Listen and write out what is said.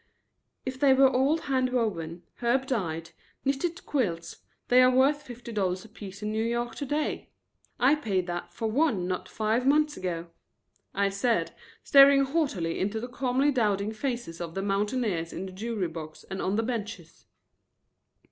"If they were old hand woven, herb dyed, knitted quilts, they are worth fifty dollars apiece in New York to day. I paid that for one not five months ago," I said, staring haughtily into the calmly doubting faces of the mountaineers in the jury box and on the benches.